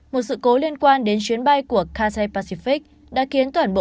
một sự cố liên quan đến chuyến bay của kaza pacific đã khiến toàn bộ